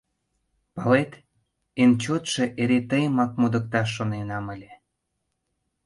Палет, эн чотшо... эре тыйымак модыкташ шоненам ыле.